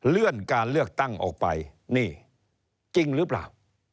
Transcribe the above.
เลื่อนการเลือกตั้งออกไปนี่จริงหรือเปล่า